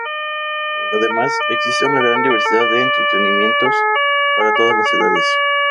Además, existe una gran diversidad de entretenimientos para todas las edades.